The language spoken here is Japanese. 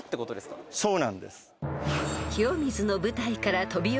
そうなんです。